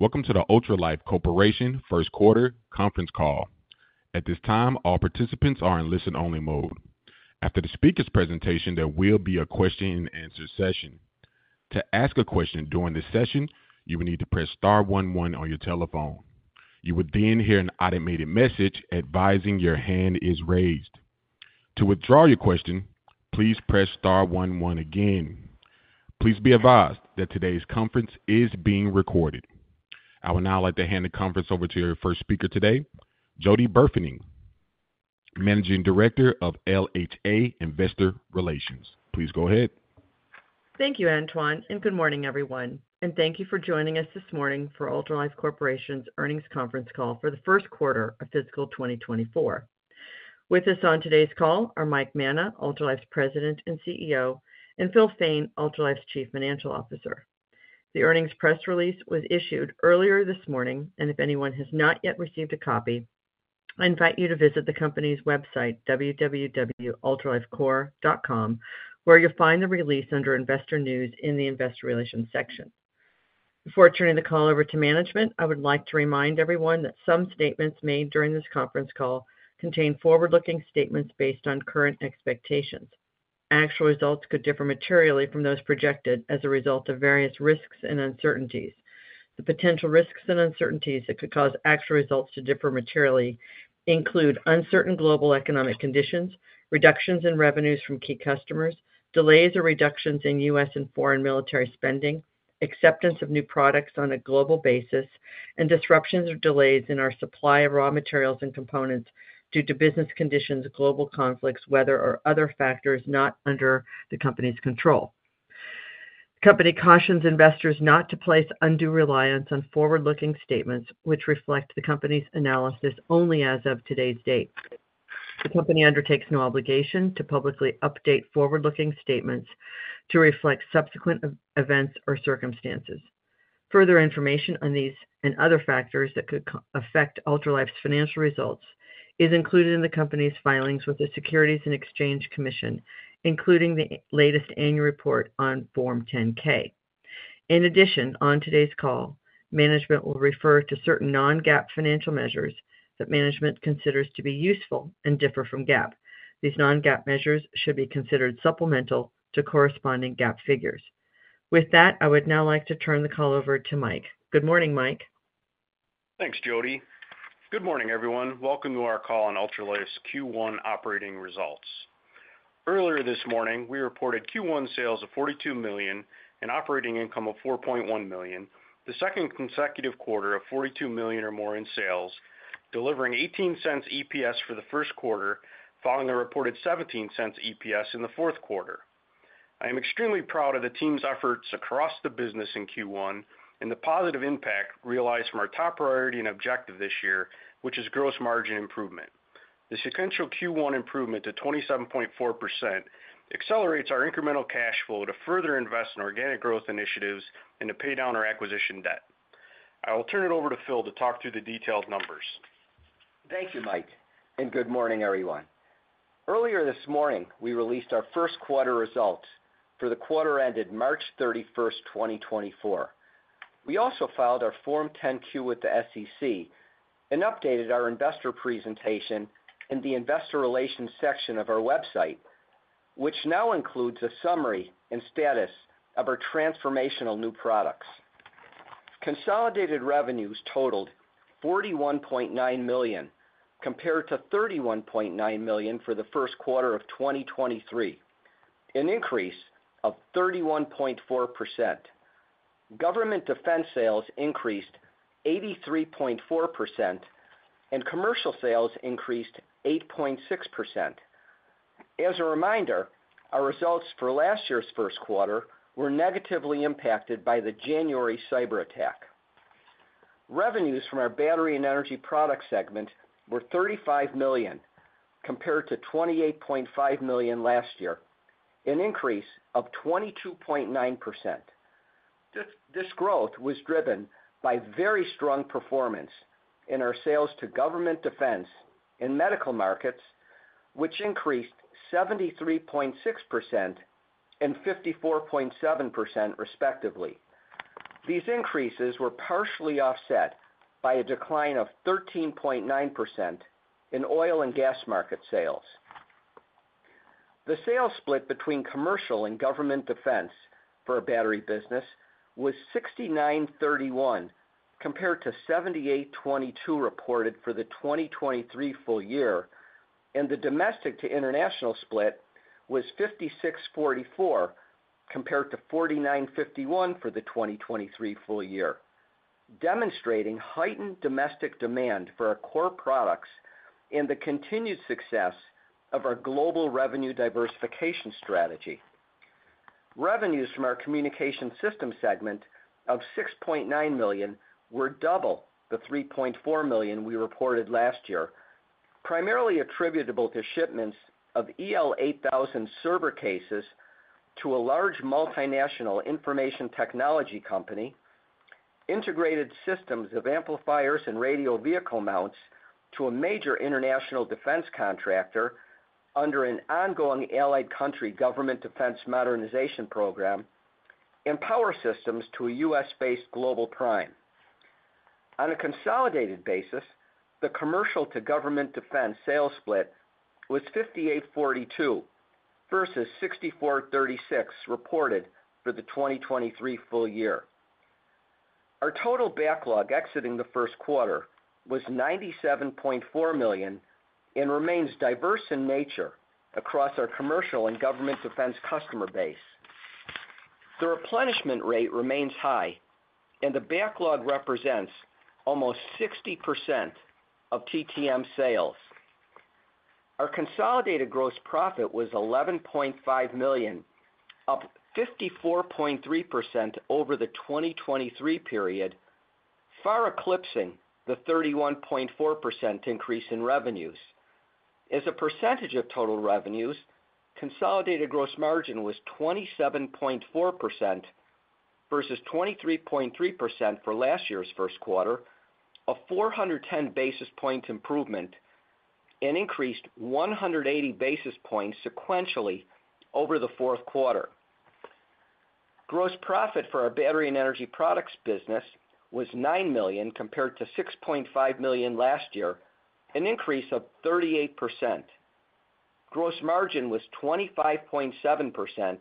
Welcome to the Ultralife Corporation first quarter conference call. At this time, all participants are in listen-only mode. After the speaker's presentation, there will be a question-and-answer session. To ask a question during this session, you will need to press star 11 on your telephone. You will then hear an automated message advising your hand is raised. To withdraw your question, please press star 11 again. Please be advised that today's conference is being recorded. I would now like to hand the conference over to our first speaker today, Jody Burfening, Managing Director of LHA Investor Relations. Please go ahead. Thank you, Antoine, and good morning, everyone. Thank you for joining us this morning for Ultralife Corporation's earnings conference call for the first quarter of fiscal 2024. With us on today's call are Mike Manna, Ultralife's President and CEO, and Phil Fain, Ultralife's Chief Financial Officer. The earnings press release was issued earlier this morning, and if anyone has not yet received a copy, I invite you to visit the company's website, www.ultralifecorp.com, where you'll find the release under Investor News in the Investor Relations section. Before turning the call over to management, I would like to remind everyone that some statements made during this conference call contain forward-looking statements based on current expectations. Actual results could differ materially from those projected as a result of various risks and uncertainties. The potential risks and uncertainties that could cause actual results to differ materially include uncertain global economic conditions, reductions in revenues from key customers, delays or reductions in U.S. and foreign military spending, acceptance of new products on a global basis, and disruptions or delays in our supply of raw materials and components due to business conditions, global conflicts, weather, or other factors not under the company's control. The company cautions investors not to place undue reliance on forward-looking statements which reflect the company's analysis only as of today's date. The company undertakes no obligation to publicly update forward-looking statements to reflect subsequent events or circumstances. Further information on these and other factors that could affect Ultralife's financial results is included in the company's filings with the Securities and Exchange Commission, including the latest annual report on Form 10-K. In addition, on today's call, management will refer to certain non-GAAP financial measures that management considers to be useful and differ from GAAP. These non-GAAP measures should be considered supplemental to corresponding GAAP figures. With that, I would now like to turn the call over to Mike. Good morning, Mike. Thanks, Jody. Good morning, everyone. Welcome to our call on Ultralife's Q1 operating results. Earlier this morning, we reported Q1 sales of $42 million and operating income of $4.1 million, the second consecutive quarter of $42 million or more in sales, delivering $0.18 EPS for the first quarter following a reported $0.17 EPS in the fourth quarter. I am extremely proud of the team's efforts across the business in Q1 and the positive impact realized from our top priority and objective this year, which is gross margin improvement. The sequential Q1 improvement to 27.4% accelerates our incremental cash flow to further invest in organic growth initiatives and to pay down our acquisition debt. I will turn it over to Phil to talk through the detailed numbers. Thank you, Mike, and good morning, everyone. Earlier this morning, we released our first quarter results for the quarter ended March 31st, 2024. We also filed our Form 10-Q with the SEC and updated our investor presentation in the Investor Relations section of our website, which now includes a summary and status of our transformational new products. Consolidated revenues totaled $41.9 million compared to $31.9 million for the first quarter of 2023, an increase of 31.4%. Government defense sales increased 83.4%, and commercial sales increased 8.6%. As a reminder, our results for last year's first quarter were negatively impacted by the January cyberattack. Revenues from our battery and energy product segment were $35 million compared to $28.5 million last year, an increase of 22.9%. This growth was driven by very strong performance in our sales to government defense and medical markets, which increased 73.6% and 54.7% respectively. These increases were partially offset by a decline of 13.9% in oil and gas market sales. The sales split between commercial and government defense for a battery business was 69/31 compared to 78/22 reported for the 2023 full year, and the domestic-to-international split was 56/44 compared to 49/51 for the 2023 full year, demonstrating heightened domestic demand for our core products and the continued success of our global revenue diversification strategy. Revenues from our Communication Systems segment of $6.9 million were double the $3.4 million we reported last year, primarily attributable to shipments of EL-8000 server cases to a large multinational information technology company, integrated systems of amplifiers and radio vehicle mounts to a major international defense contractor under an ongoing allied country government defense modernization program, and power systems to a U.S.-based global prime. On a consolidated basis, the commercial-to-government defense sales split was 58/42 versus 64/36 reported for the 2023 full year. Our total backlog exiting the first quarter was $97.4 million and remains diverse in nature across our commercial and government defense customer base. The replenishment rate remains high, and the backlog represents almost 60% of TTM sales. Our consolidated gross profit was $11.5 million, up 54.3% over the 2023 period, far eclipsing the 31.4% increase in revenues. As a percentage of total revenues, consolidated gross margin was 27.4% versus 23.3% for last year's first quarter, a 410 basis point improvement, and increased 180 basis points sequentially over the fourth quarter. Gross profit for our battery and energy products business was $9 million compared to $6.5 million last year, an increase of 38%. Gross margin was 25.7%,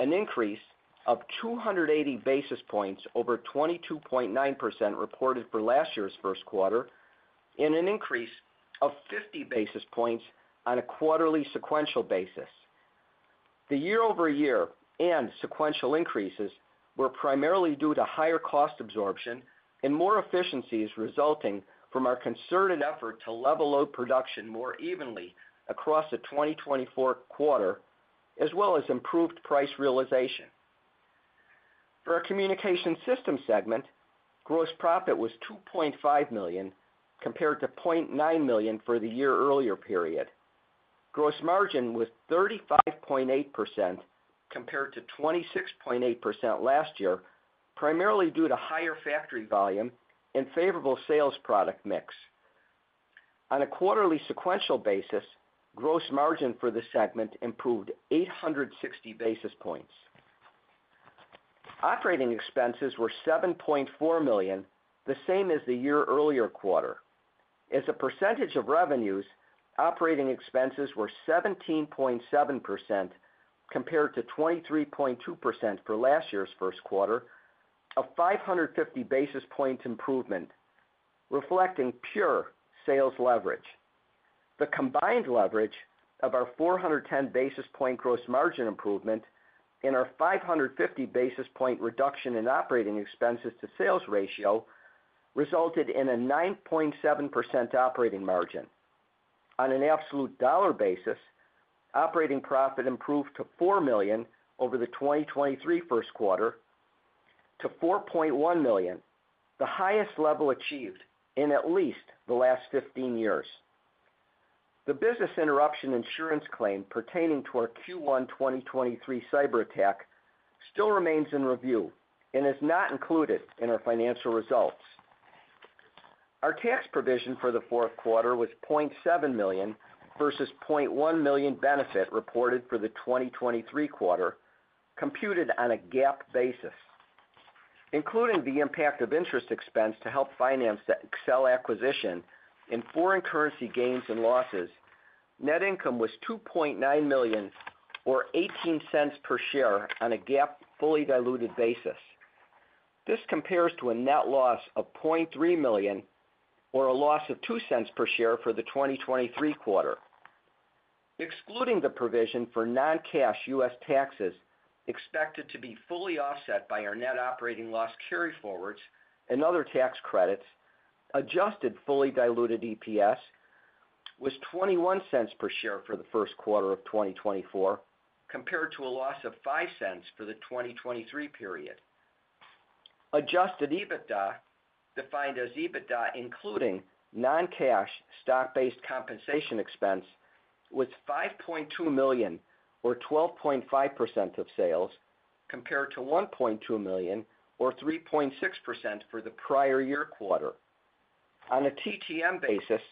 an increase of 280 basis points over 22.9% reported for last year's first quarter, and an increase of 50 basis points on a quarterly sequential basis. The year-over-year and sequential increases were primarily due to higher cost absorption and more efficiencies resulting from our concerted effort to level out production more evenly across the 2024 quarter, as well as improved price realization. For our communication system segment, gross profit was $2.5 million compared to $0.9 million for the year earlier period. Gross margin was 35.8% compared to 26.8% last year, primarily due to higher factory volume and favorable sales product mix. On a quarterly sequential basis, gross margin for this segment improved 860 basis points. Operating expenses were $7.4 million, the same as the year earlier quarter. As a percentage of revenues, operating expenses were 17.7% compared to 23.2% for last year's first quarter, a 550 basis point improvement, reflecting pure sales leverage. The combined leverage of our 410 basis point gross margin improvement and our 550 basis point reduction in operating expenses to sales ratio resulted in a 9.7% operating margin. On an absolute dollar basis, operating profit improved to $4 million over the 2023 first quarter, to $4.1 million, the highest level achieved in at least the last 15 years. The Business Interruption Insurance claim pertaining to our Q1 2023 cyberattack still remains in review and is not included in our financial results. Our tax provision for the fourth quarter was $0.7 million versus $0.1 million benefit reported for the 2023 quarter, computed on a GAAP basis. Including the impact of interest expense to help finance the Excell acquisition, and foreign currency gains and losses, net income was $2.9 million or $0.18 per share on a GAAP, fully diluted basis. This compares to a net loss of $0.3 million or a loss of $0.02 per share for the 2023 quarter. Excluding the provision for non-cash U.S. taxes expected to be fully offset by our net operating loss carryforwards and other tax credits, adjusted fully diluted EPS was $0.21 per share for the first quarter of 2024 compared to a loss of $0.05 for the 2023 period. Adjusted EBITDA, defined as EBITDA including non-cash stock-based compensation expense, was $5.2 million or 12.5% of sales compared to $1.2 million or 3.6% for the prior year quarter. On a TTM basis,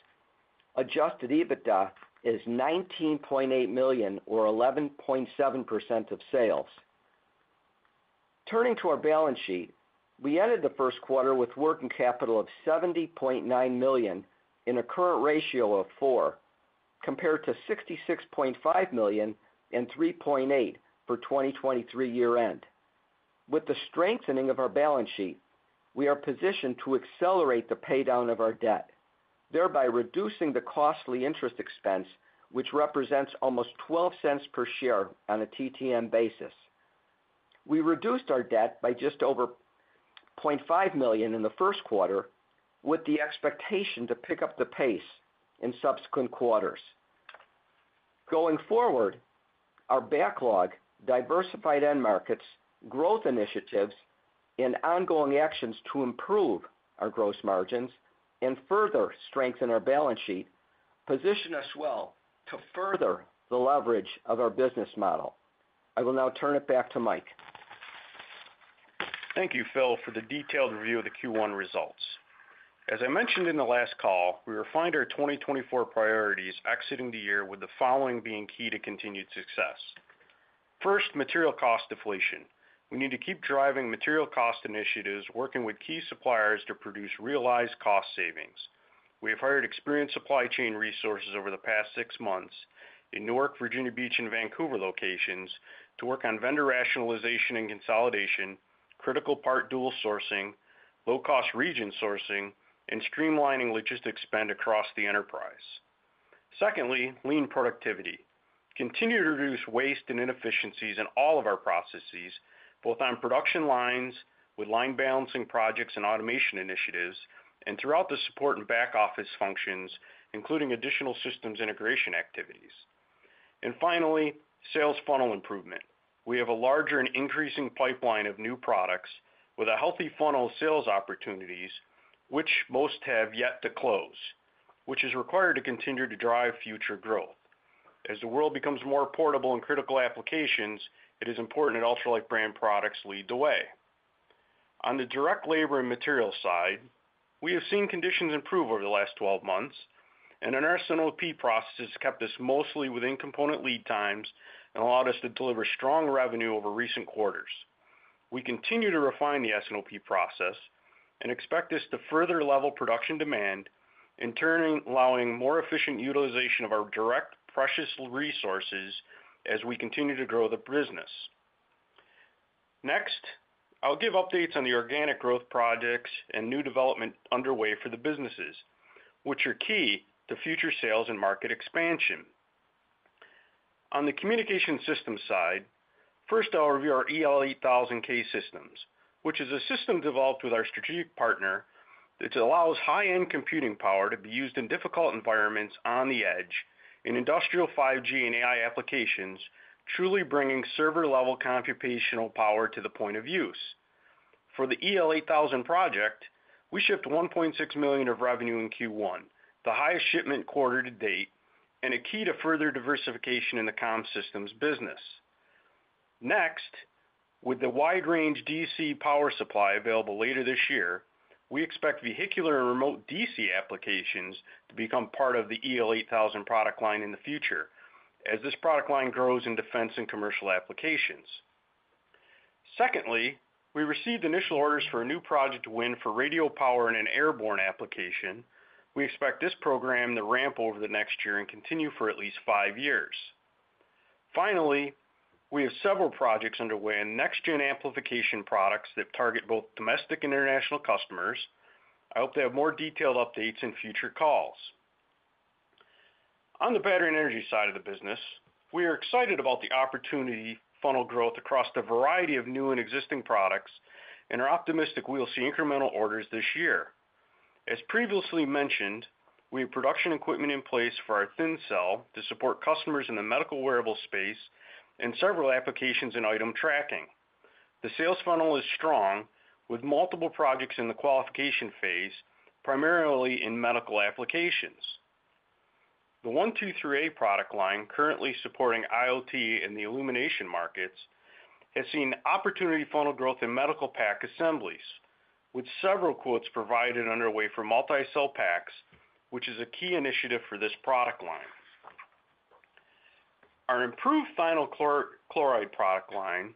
adjusted EBITDA is $19.8 million or 11.7% of sales. Turning to our balance sheet, we ended the first quarter with working capital of $70.9 million and a current ratio of 4 compared to $66.5 million and 3.8 for 2023 year-end. With the strengthening of our balance sheet, we are positioned to accelerate the paydown of our debt, thereby reducing the costly interest expense, which represents almost $0.12 per share on a TTM basis. We reduced our debt by just over $0.5 million in the first quarter with the expectation to pick up the pace in subsequent quarters. Going forward, our backlog, diversified end markets, growth initiatives, and ongoing actions to improve our gross margins and further strengthen our balance sheet position us well to further the leverage of our business model. I will now turn it back to Mike. Thank you, Phil, for the detailed review of the Q1 results. As I mentioned in the last call, we refined our 2024 priorities exiting the year with the following being key to continued success. First, material cost deflation. We need to keep driving material cost initiatives, working with key suppliers to produce realized cost savings. We have hired experienced supply chain resources over the past six months in Newark, Virginia Beach, and Vancouver locations to work on vendor rationalization and consolidation, critical part dual sourcing, low-cost region sourcing, and streamlining logistics spend across the enterprise. Secondly, lean productivity. Continue to reduce waste and inefficiencies in all of our processes, both on production lines with line balancing projects and automation initiatives, and throughout the support and back office functions, including additional systems integration activities. And finally, sales funnel improvement. We have a larger and increasing pipeline of new products with a healthy funnel of sales opportunities, which most have yet to close, which is required to continue to drive future growth. As the world becomes more portable in critical applications, it is important that Ultralife brand products lead the way. On the direct labor and material side, we have seen conditions improve over the last 12 months, and our S&OP process has kept us mostly within component lead times and allowed us to deliver strong revenue over recent quarters. We continue to refine the S&OP process and expect this to further level production demand and allow more efficient utilization of our direct precious resources as we continue to grow the business. Next, I'll give updates on the organic growth projects and new development underway for the businesses, which are key to future sales and market expansion. On the communication system side, first, I'll review our EL-8000 case systems, which is a system developed with our strategic partner that allows high-end computing power to be used in difficult environments on the edge in industrial 5G and AI applications, truly bringing server-level computational power to the point of use. For the EL-8000 project, we shipped $1.6 million of revenue in Q1, the highest shipment quarter to date, and a key to further diversification in the comm systems business. Next, with the wide-range DC power supply available later this year, we expect vehicular and remote DC applications to become part of the EL-8000 product line in the future as this product line grows in defense and commercial applications. Secondly, we received initial orders for a new project to win for radio power in an airborne application. We expect this program to ramp over the next year and continue for at least five years. Finally, we have several projects underway in next-gen amplification products that target both domestic and international customers. I hope to have more detailed updates in future calls. On the battery and energy side of the business, we are excited about the opportunity funnel growth across a variety of new and existing products, and are optimistic we'll see incremental orders this year. As previously mentioned, we have production equipment in place for our ThinCell to support customers in the medical wearable space and several applications in item tracking. The sales funnel is strong with multiple projects in the qualification phase, primarily in medical applications. The 123A product line, currently supporting IoT and the illumination markets, has seen opportunity funnel growth in medical pack assemblies, with several quotes provided underway for multi-cell packs, which is a key initiative for this product line. Our improved thionyl chloride product line,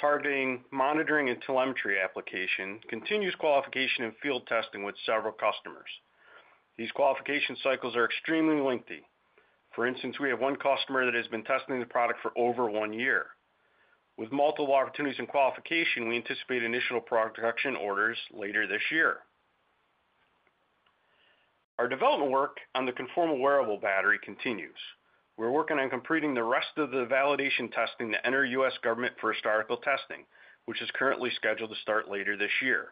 targeting monitoring and telemetry application, continues qualification and field testing with several customers. These qualification cycles are extremely lengthy. For instance, we have one customer that has been testing the product for over one year. With multiple opportunities in qualification, we anticipate initial production orders later this year. Our development work on the Conformal Wearable Battery continues. We're working on completing the rest of the validation testing to enter US government first article testing, which is currently scheduled to start later this year.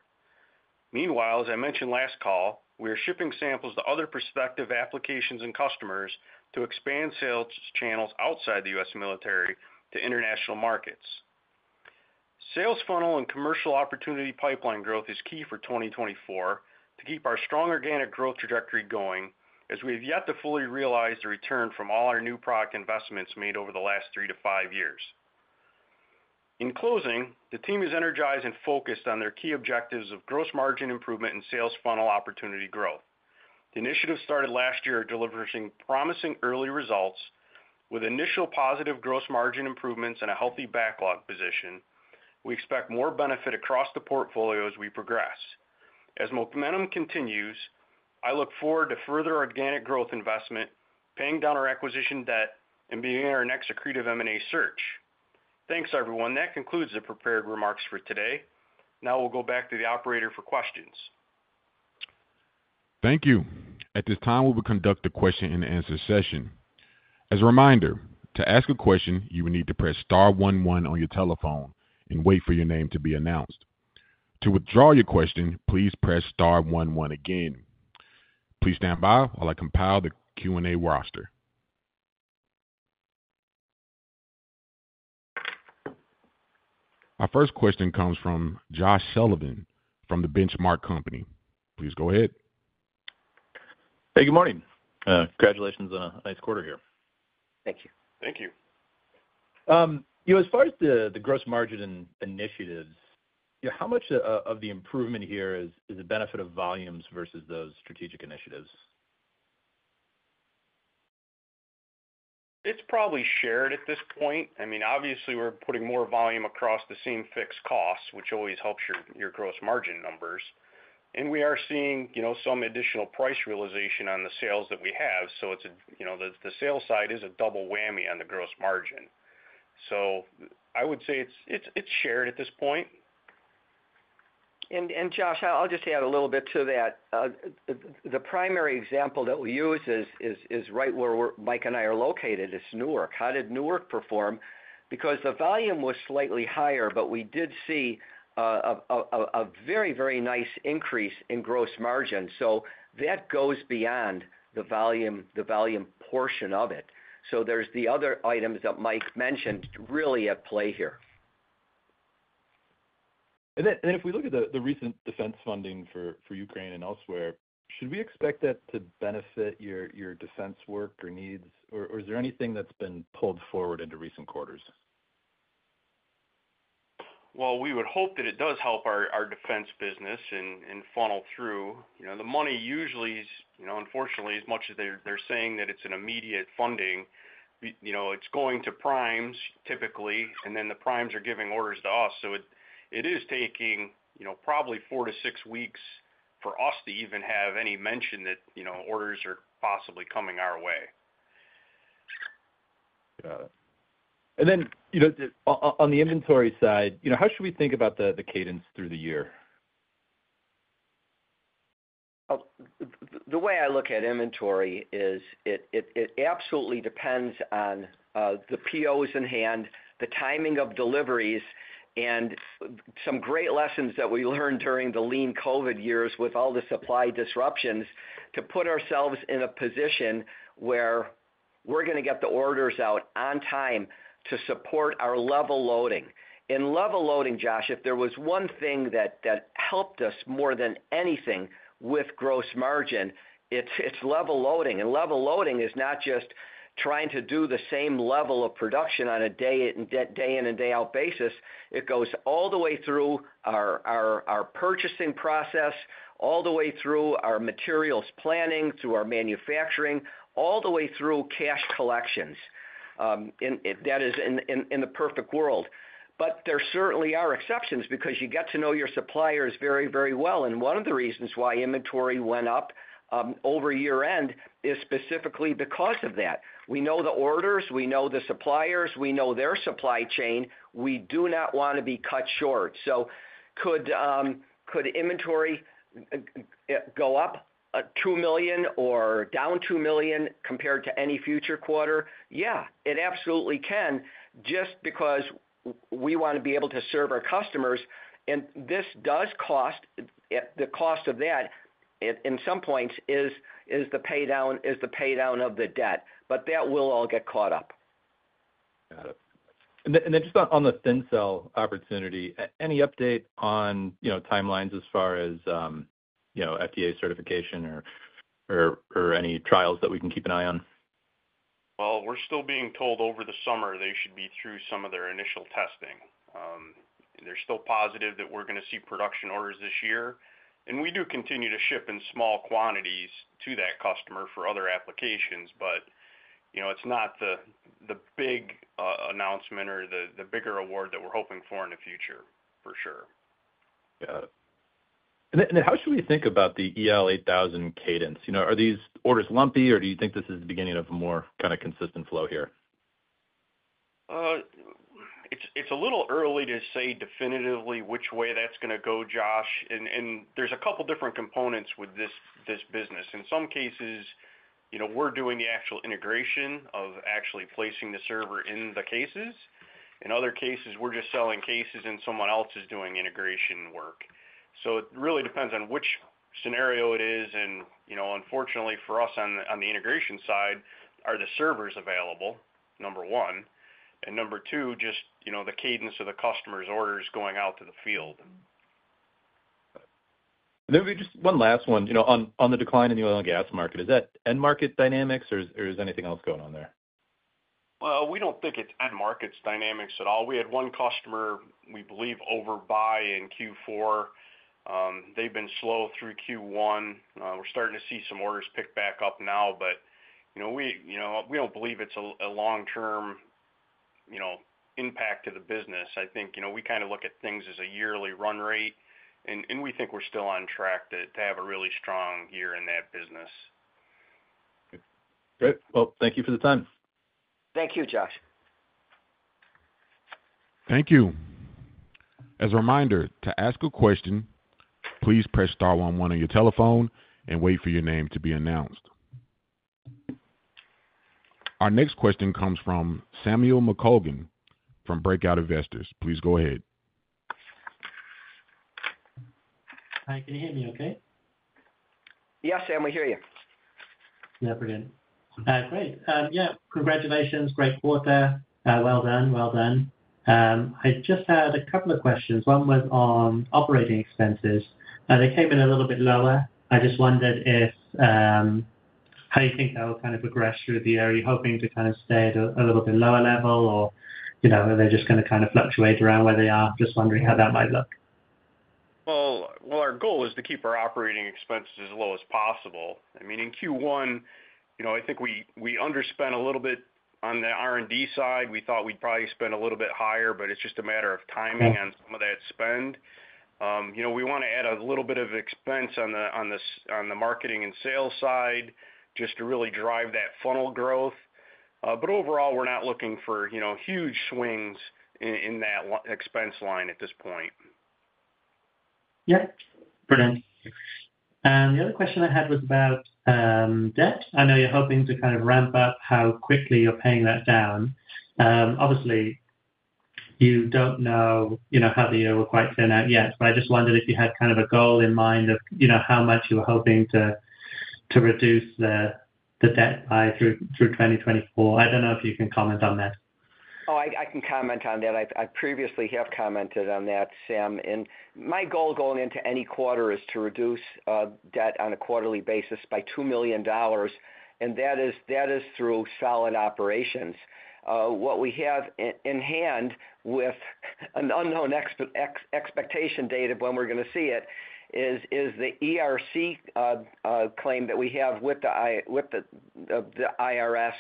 Meanwhile, as I mentioned last call, we are shipping samples to other prospective applications and customers to expand sales channels outside the U.S. military to international markets. Sales funnel and commercial opportunity pipeline growth is key for 2024 to keep our strong organic growth trajectory going, as we have yet to fully realize the return from all our new product investments made over the last three to five years. In closing, the team is energized and focused on their key objectives of gross margin improvement and sales funnel opportunity growth. The initiative started last year delivering promising early results. With initial positive gross margin improvements and a healthy backlog position, we expect more benefit across the portfolio as we progress. As momentum continues, I look forward to further organic growth investment, paying down our acquisition debt, and beginning our next secretive M&A search. Thanks, everyone. That concludes the prepared remarks for today. Now we'll go back to the operator for questions. Thank you. At this time, we will conduct the question and answer session. As a reminder, to ask a question, you will need to press star 11 on your telephone and wait for your name to be announced. To withdraw your question, please press star 11 again. Please stand by while I compile the Q&A roster. Our first question comes from Josh Sullivan from The Benchmark Company. Please go ahead. Hey, good morning. Congratulations on a nice quarter here. Thank you. Thank you. As far as the gross margin initiatives, how much of the improvement here is the benefit of volumes versus those strategic initiatives? It's probably shared at this point. I mean, obviously, we're putting more volume across the same fixed costs, which always helps your gross margin numbers. And we are seeing some additional price realization on the sales that we have, so the sales side is a double whammy on the gross margin. So I would say it's shared at this point. And Josh, I'll just add a little bit to that. The primary example that we use is right where Mike and I are located. It's Newark. How did Newark perform? Because the volume was slightly higher, but we did see a very, very nice increase in gross margin. So that goes beyond the volume portion of it. So there's the other items that Mike mentioned really at play here. And then if we look at the recent defense funding for Ukraine and elsewhere, should we expect that to benefit your defense work or needs, or is there anything that's been pulled forward into recent quarters? Well, we would hope that it does help our defense business and funnel through. The money usually, unfortunately, as much as they're saying that it's an immediate funding, it's going to primes typically, and then the primes are giving orders to us. So it is taking probably 4 weeks-6 weeks for us to even have any mention that orders are possibly coming our way. Got it. And then on the inventory side, how should we think about the cadence through the year? The way I look at inventory is it absolutely depends on the POs in hand, the timing of deliveries, and some great lessons that we learned during the lean COVID years with all the supply disruptions to put ourselves in a position where we're going to get the orders out on time to support our level loading. In level loading, Josh, if there was one thing that helped us more than anything with gross margin, it's level loading. Level loading is not just trying to do the same level of production on a day-in-and-day-out basis. It goes all the way through our purchasing process, all the way through our materials planning, through our manufacturing, all the way through cash collections. That is in the perfect world. But there certainly are exceptions because you get to know your suppliers very, very well. One of the reasons why inventory went up over year-end is specifically because of that. We know the orders. We know the suppliers. We know their supply chain. We do not want to be cut short. So could inventory go up $2 million or down $2 million compared to any future quarter? Yeah, it absolutely can just because we want to be able to serve our customers. This does cost. The cost of that, in some points, is the paydown of the debt. That will all get caught up. Got it. Then just on the ThinCell opportunity, any update on timelines as far as FDA certification or any trials that we can keep an eye on? Well, we're still being told over the summer they should be through some of their initial testing. They're still positive that we're going to see production orders this year. We do continue to ship in small quantities to that customer for other applications, but it's not the big announcement or the bigger award that we're hoping for in the future, for sure. Got it. And then how should we think about the EL-8000 cadence? Are these orders lumpy, or do you think this is the beginning of a more kind of consistent flow here? It's a little early to say definitively which way that's going to go, Josh. There's a couple of different components with this business. In some cases, we're doing the actual integration of actually placing the server in the cases. In other cases, we're just selling cases, and someone else is doing integration work. So it really depends on which scenario it is. Unfortunately, for us on the integration side, are the servers available, number one, and number two, just the cadence of the customer's orders going out to the field. Got it. And then maybe just one last one. On the decline in the oil and gas market, is that end-market dynamics, or is anything else going on there? Well, we don't think it's end-market dynamics at all. We had one customer, we believe, overbuy in Q4. They've been slow through Q1. We're starting to see some orders pick back up now, but we don't believe it's a long-term impact to the business. I think we kind of look at things as a yearly run rate, and we think we're still on track to have a really strong year in that business. Great. Well, thank you for the time. Thank you, Josh. Thank you. As a reminder, to ask a question, please press star 11 on your telephone and wait for your name to be announced. Our next question comes from Samuel McColgan from Breakout Investors. Please go ahead. Hi. Can you hear me okay? Yes, Sam. We hear you. Yeah. Pretty good. Great. Yeah. Congratulations. Great quarter. Well done. Well done. I just had a couple of questions. One was on operating expenses. They came in a little bit lower. I just wondered how you think that will kind of progress through the year. Are you hoping to kind of stay at a little bit lower level, or are they just going to kind of fluctuate around where they are? Just wondering how that might look. Well, our goal is to keep our operating expenses as low as possible. I mean, in Q1, I think we underspent a little bit on the R&D side. We thought we'd probably spend a little bit higher, but it's just a matter of timing on some of that spend. We want to add a little bit of expense on the marketing and sales side just to really drive that funnel growth. But overall, we're not looking for huge swings in that expense line at this point. Yeah. Pretty good. The other question I had was about debt. I know you're hoping to kind of ramp up how quickly you're paying that down. Obviously, you don't know how the year will quite turn out yet, but I just wondered if you had kind of a goal in mind of how much you were hoping to reduce the debt by through 2024. I don't know if you can comment on that. Oh, I can comment on that. I previously have commented on that, Sam. And my goal going into any quarter is to reduce debt on a quarterly basis by $2 million, and that is through solid operations. What we have in hand with an unknown expectation date of when we're going to see it is the ERC claim that we have with the IRS.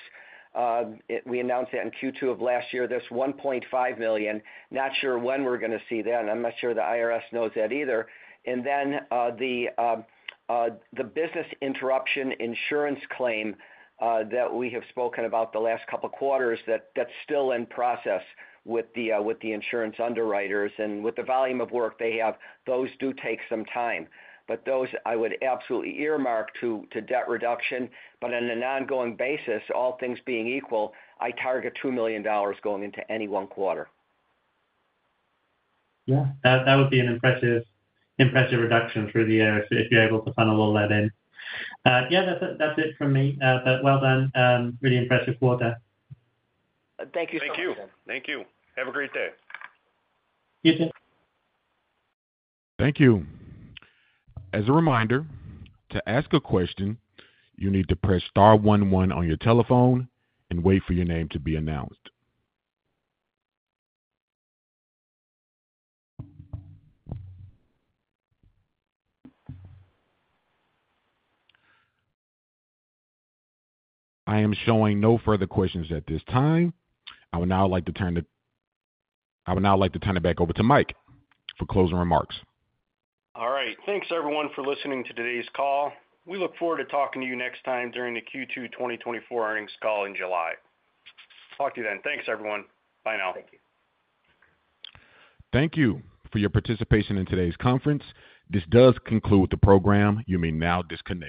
We announced that in Q2 of last year. That's $1.5 million. Not sure when we're going to see that. I'm not sure the IRS knows that either. And then the business interruption insurance claim that we have spoken about the last couple of quarters, that's still in process with the insurance underwriters. And with the volume of work they have, those do take some time. But those I would absolutely earmark to debt reduction. But on an ongoing basis, all things being equal, I target $2 million going into any one quarter. Yeah. That would be an impressive reduction through the year if you're able to funnel all that in. Yeah. That's it from me. But well done. Really impressive quarter. Thank you, Sam. Thank you. Thank you. Have a great day. You too. Thank you. As a reminder, to ask a question, you need to press star 11 on your telephone and wait for your name to be announced. I am showing no further questions at this time. I would now like to turn it back over to Mike for closing remarks. All right. Thanks, everyone, for listening to today's call. We look forward to talking to you next time during the Q2 2024 earnings call in July. Talk to you then. Thanks, everyone. Bye now. Thank you. Thank you for your participation in today's conference. This does conclude the program. You may now disconnect.